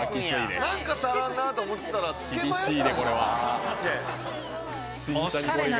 何か足らんなと思ってたらつけまか？